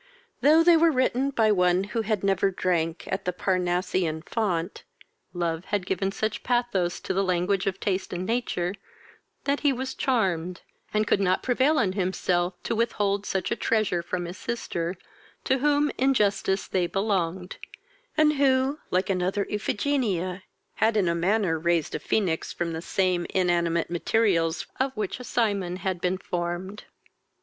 Though they were written by one who had never drank at the Parnassian fount, love had given such pathos to the language of taste and nature, that he was charmed, and could not prevail on himself to with hold such a treasure from his sister, to whom in justice they belonged, and who like another Iphigenia had in a manner raised a phoenix from the same inanimate materials of which a Cymon had been formed.